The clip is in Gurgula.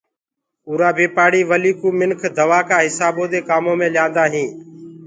اُرآ بي پآڙهي ولي ڪوُ منک دو ڪآ هسآبودي ڪآمو مي ليندآ هينٚ۔